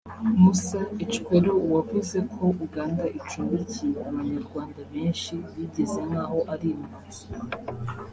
Musa Ecweru wavuze ko Uganda icumbikiye Abanyarwanda benshi bigize nk’aho ari impunzi